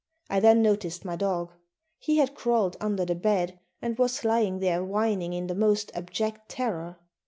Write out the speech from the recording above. I then noticed my dog. He had crawled under the bed and was lying there whining in the most abject terror.